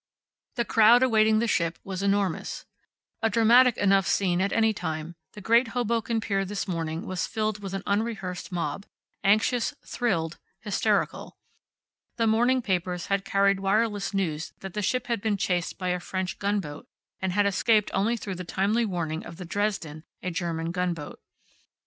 The crowd awaiting the ship was enormous. A dramatic enough scene at any time, the great Hoboken pier this morning was filled with an unrehearsed mob, anxious, thrilled, hysterical. The morning papers had carried wireless news that the ship had been chased by a French gunboat and had escaped only through the timely warning of the Dresden, a German gunboat.